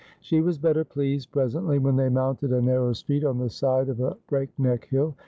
She was better pleased presently when they mounted a narrow street on the side of a break neck hill.